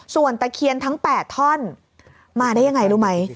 ส่วนตะเคียนทั้ง๘ท่อนมาได้ยังไงรู้ไหม